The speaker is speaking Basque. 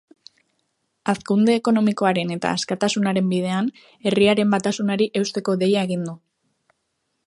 Hazkunde ekonomikoaren eta askatasunaren bidean, herriaren batasunari eusteko deia egin du.